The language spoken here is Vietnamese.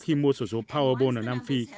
khi mua sổ số powerball ở nam phi